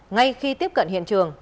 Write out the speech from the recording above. ngay khi tiếp cận hiện trường